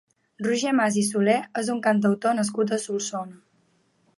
Roger Mas i Solé és un cantautor nascut a Solsona.